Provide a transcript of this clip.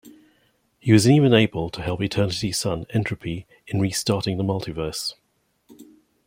He was even able to help Eternity's son Entropy in restarting the multiverse.